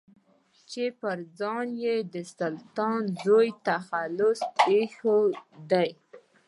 چې پر ځان يې سلطان زوی تخلص ايښی دی.